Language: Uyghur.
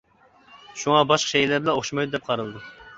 شۇڭا باشقا شەيئىلەر بىلەن ئوخشىمايدۇ، دەپ قارىلىدۇ.